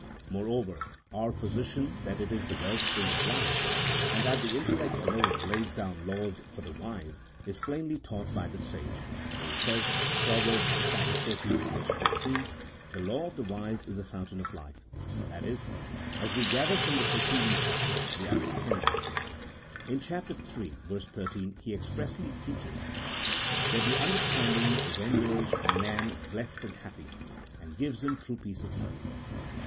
Moreover our position that it is the well spring of life, and that the in tellect alone lays down laws for the wise, is plainly taught by the sage, for he says (Prov. xiii. 14) :" The law of the wise is a fountain of life "— that is, as we gather from the preceding text, the understanding. In chap. iii. 13, he ex pressly teaches that the understanding renders man blessed and happy, and gives him true peace of mind.